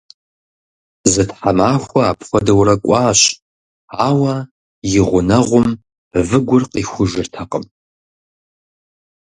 Зы тхьэмахуэ апхуэдэурэ кӏуащ, ауэ и гъунэгъум выгур къихужыртэкъым.